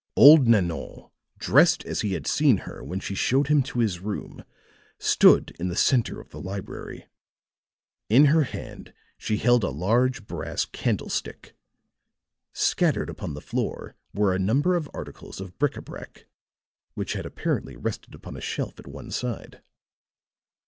Old Nanon, dressed as he had seen her when she showed him to his room, stood in the center of the library. In her hand she held a large brass candlestick; scattered upon the floor were a number of articles of bric à brac which had apparently rested upon a shelf at one side.